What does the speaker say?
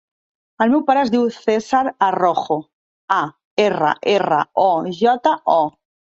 El meu pare es diu Cèsar Arrojo: a, erra, erra, o, jota, o.